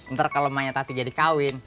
ntar kalau emaknya tati jadi kawin